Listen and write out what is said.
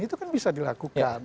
itu kan bisa dilakukan